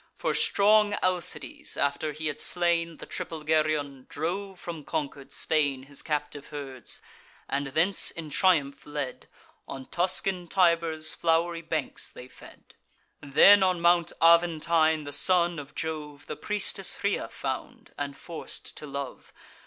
For strong Alcides, after he had slain The triple Geryon, drove from conquer'd Spain His captive herds; and, thence in triumph led, On Tuscan Tiber's flow'ry banks they fed. Then on Mount Aventine the son of Jove The priestess Rhea found, and forc'd to love.